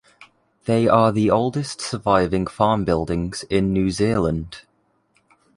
They are the oldest surviving farm buildings in New Zealand.